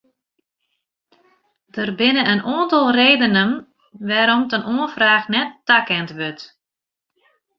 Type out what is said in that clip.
Der binne in oantal redenen wêrom't in oanfraach net takend wurdt.